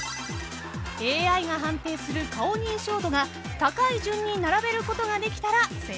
［ＡＩが判定する顔認証度が高い順に並べることができたら成功です］